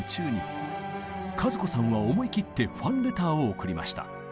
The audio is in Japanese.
和子さんは思い切ってファンレターを送りました。